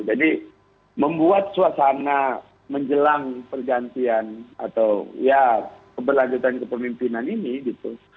jadi membuat suasana menjelang pergantian atau ya keberlanjutan kepemimpinan ini gitu